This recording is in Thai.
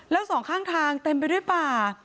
แล้วสองข้างทางเต็มไปด้วยป่า